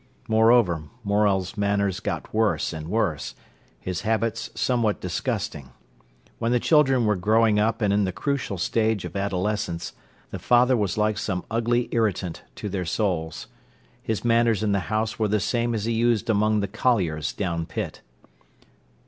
Moreover, Morel's manners got worse and worse, his habits somewhat disgusting. When the children were growing up and in the crucial stage of adolescence, the father was like some ugly irritant to their souls. His manners in the house were the same as he used among the colliers down pit.